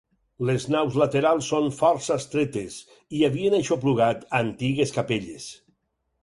Les naus laterals són força estretes, i havien aixoplugat antigues capelles.